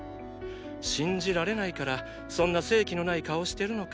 信じられないからそんな生気のない顔してるのか。